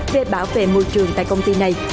về bảo vệ môi trường tại công ty này